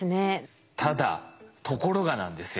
ただところがなんですよ。